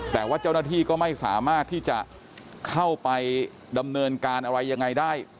แต่ว่าเจ้าหน้าที่ก็ไม่สามารถที่จะเข้าไปดำเนินการอะไรยังไงได้